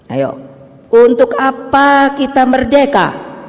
ayo untuk apa kita merdeka